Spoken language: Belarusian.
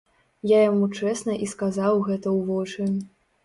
Я яму чэсна і сказаў гэта ў вочы.